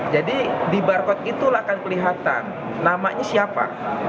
jadi di barcode itulah akan kelihatan namanya siapa